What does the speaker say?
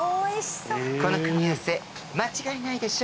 この組み合わせ間違いないでしょ